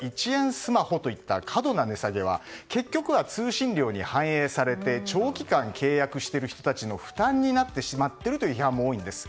スマホといった過度な値下げは結局は、通信料に反映されて長期間契約している人たちの負担になってしまっているという批判も多いんです。